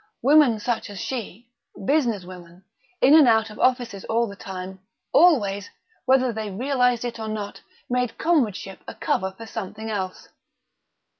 Women such as she, business women, in and out of offices all the time, always, whether they realised it or not, made comradeship a cover for something else.